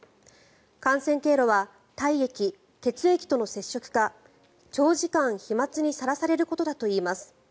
感染経路は体液・血液との接触か長時間、飛まつにさらされることだといいます。